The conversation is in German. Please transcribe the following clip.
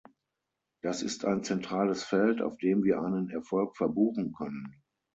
Das ist ein zentrales Feld, auf dem wir einen Erfolg verbuchen können.